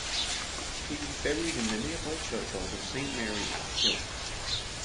He was buried in the nearby churchyard of Saint Mary-at-Hill.